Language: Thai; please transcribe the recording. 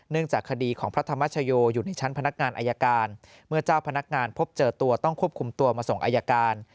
จากคดีของพระธรรมชโยอยู่ในชั้นพนักงานอายการเมื่อเจ้าพนักงานพบเจอตัวต้องควบคุมตัวมาส่งอายการ